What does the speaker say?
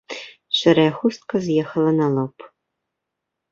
Шэрая хустка з'ехала на лоб.